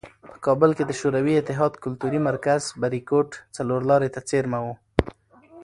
په کابل کې د شوروي اتحاد کلتوري مرکز "بریکوټ" څلورلارې ته څېرمه و.